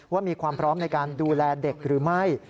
ว่ามีความพร้อมในการดูแลเด็กหรือไม่